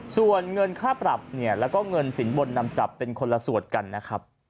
ส่วนเงินค่าปรับเนี่ยแล้วก็เงินสินบนนำจับเป็นคนละส่วนกันนะครับ